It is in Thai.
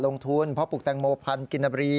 ลงทุนพ่อปลูกแตงโมร์พันธุ์กินนบรี